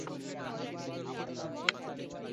শুরুটা করলাম এটা দিয়েই।